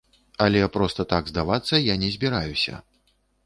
Але проста так здавацца я не збіраюся.